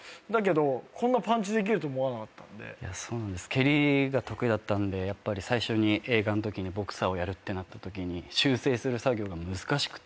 蹴りが得意だったんで最初に映画のときにボクサーをやるってなったときに修正する作業が難しくて。